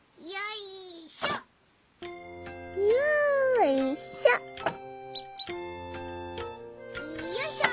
いよいしょ！